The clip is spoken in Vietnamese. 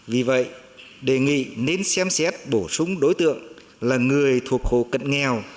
vì vậy đề nghị nên xem xét bổ sung đối tượng là người thuộc hộ cận nghèo